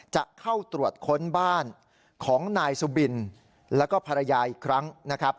จะเข้าตรวจค้นบ้านของนายสุบินแล้วก็ภรรยาอีกครั้งนะครับ